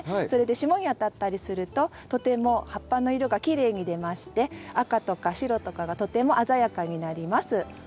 それで霜にあたったりするととても葉っぱの色がきれいに出まして赤とか白とかがとても鮮やかになります。